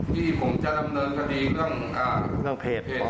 ที่ผมจะดำเนินคดีเรื่องเพจ๓๐๓๐นี้ด้วย